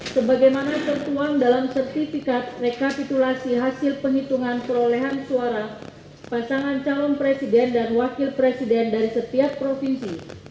sebagaimana tertuang dalam sertifikat rekapitulasi hasil penghitungan perolehan suara pasangan calon presiden dan wakil presiden dari setiap provinsi